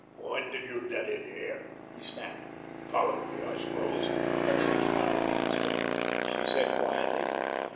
"When did you get in here?" he snapped. "Followed me, I suppose!" "About five minutes ago," she said quietly.